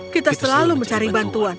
kita selalu mencari bantuan